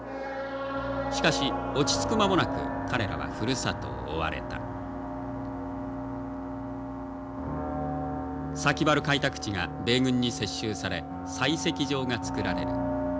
しかし落ち着く間もなく彼らはふるさとを追われた崎原開拓地が米軍に接収され採石場が造られる。